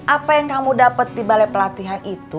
apa yang kamu dapat di balai pelatihan itu